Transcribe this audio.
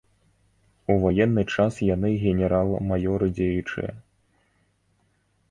У ваенны час яны генерал-маёры дзеючыя.